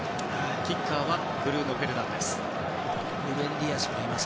キッカーはブルーノ・フェルナンデス。